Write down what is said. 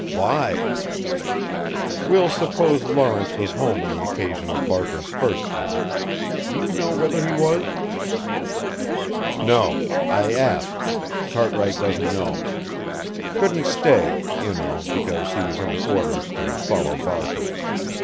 "Why?" "We'll suppose Lawrence was home on the occasion of Barker's first visit do you know whether he was?" "No. I asked. Cartwright doesn't know. Couldn't stay, you know because he was under orders to follow Barker.